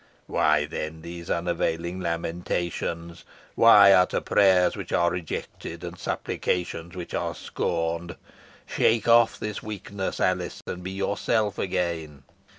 Why, then, these unavailing lamentations? Why utter prayers which are rejected, and supplications which are scorned? Shake off this weakness, Alice, and be yourself again.